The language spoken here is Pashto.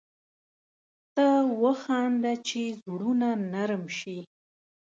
ته وخانده چي زړونه نرم شي